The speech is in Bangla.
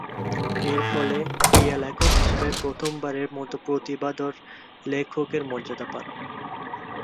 এরফলে ক্রীড়া লেখক হিসেবে প্রথমবারের মতো প্রতিভাধর লেখকের মর্যাদা পান।